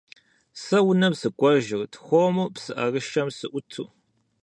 Сэ унэм сыкӀуэжырт хуэму псыӀэрышэм сыӀуту.